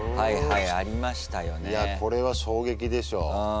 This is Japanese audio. いやこれは衝撃でしょう。